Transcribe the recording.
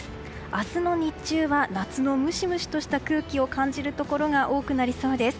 明日の日中は夏のムシムシとした空気を感じるところが多くなりそうです。